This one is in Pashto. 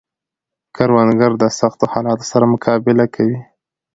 کروندګر د سختو حالاتو سره مقابله کوي